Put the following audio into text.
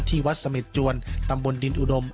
ที่วัดเสม็ดจวนตำบลดินอุดม